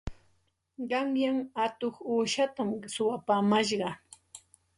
Qanyan atuq uushatam suwapaamash.